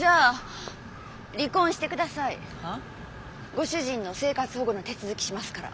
ご主人の生活保護の手続きしますから。